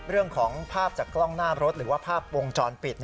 เรื่องของภาพจากกล้องหน้ารถหรือว่าภาพวงจรปิด